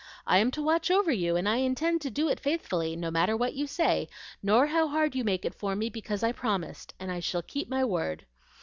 I am to watch over you, and I intend to do it faithfully, no matter what you say, nor how hard you make it for me; because I promised, and I shall keep my word.